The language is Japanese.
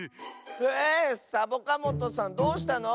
えサボカもとさんどうしたの？